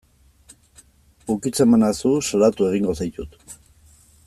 Ukitzen banauzu salatu egingo zaitut.